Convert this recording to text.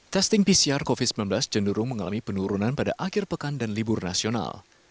testing pcr covid sembilan belas cenderung mengalami penurunan pada akhir pekan dan libur nasional